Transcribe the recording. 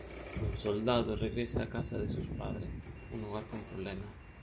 Un soldado regresa a casa de sus padres, un hogar con problemas.